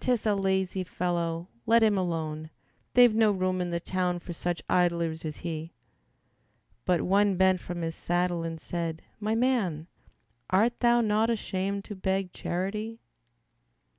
"'T is a lazy fellow, let him alone, They've no room in the town for such idlers as he." But one bent from his saddle and said, "My man, Art thou not ashamed to beg charity!